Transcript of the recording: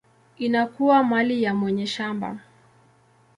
inakuwa mali ya mwenye shamba.